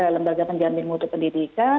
lembaga penjamin mutu pendidikan